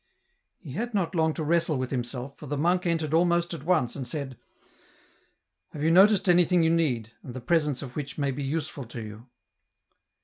He had not long to wrestle with himself, for the monk entered almost at once and said, " Have you noticed anything you need, and the presence of which may be useful to you